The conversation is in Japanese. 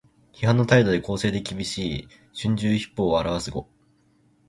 批評の態度が公正できびしい「春秋筆法」を表す語。